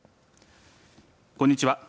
こんにちは。